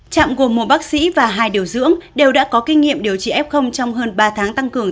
trạm gồm một bác sĩ và hai điều dưỡng đều đã có kinh nghiệm điều trị f trong hơn ba tháng tăng cường